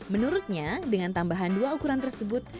menurutnya dengan tambahan dua ukuran tersebut